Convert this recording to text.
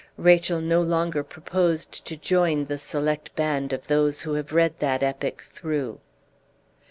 Rachel no longer proposed to join the select band of those who have read that epic through.